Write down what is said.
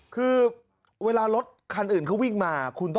คือเวลารถคันอื่นเขาวิ่งมา